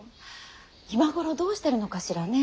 今頃どうしてるのかしらね。